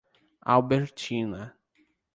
Albertina